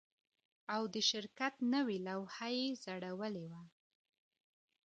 او د شرکت نوې لوحه یې ځړولې وه